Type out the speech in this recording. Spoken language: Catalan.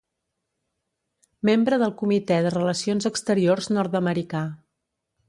Membre del Comitè de Relacions Exteriors nord-americà.